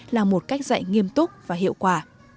là một cách dạy nghiêm túc và hiệu quả